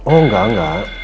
oh enggak enggak